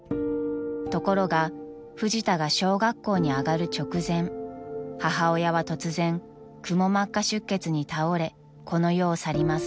［ところがフジタが小学校に上がる直前母親は突然くも膜下出血に倒れこの世を去ります］